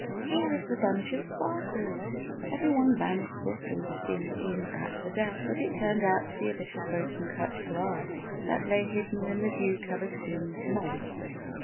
Here is the bunch of sparkles!" Every one ran swiftly to be in "at the death," but it turned out to be a bit of broken cut glass that lay hidden in the dew covered green moss.